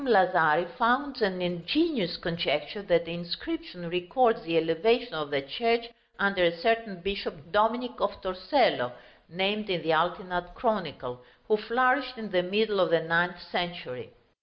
Lazari founds an ingenious conjecture that the inscription records the elevation of the church under a certain bishop Dominic of Torcello (named in the Altinat Chronicle), who flourished in the middle of the ninth century.